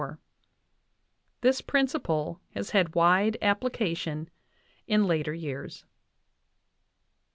This prin ciple has had wide application in later years.